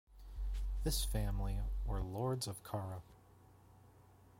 This family were Lords of Carra.